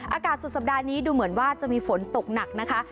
อากาศสุดสัปดาห์นี้ดูเหมือนว่าจะมีฝนตกหนักนะคะ